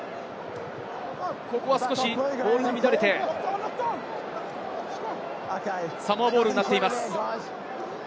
少しボールが乱れて、サモアボールになっています。